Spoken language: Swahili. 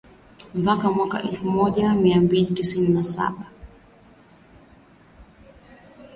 mpaka mwaka elfu moja mia tisa sabini na mbili